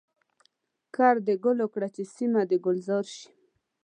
کرد د ګلو کړه چي سیمه د ګلزار شي.